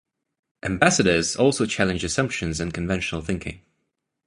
Ambassadors also challenge assumptions and conventional thinking.